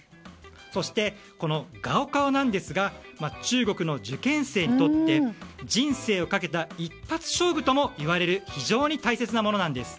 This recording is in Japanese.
そして、ガオカオなんですが中国の受験生にとって人生をかけた一発勝負ともいわれる非常に大切なものなんです。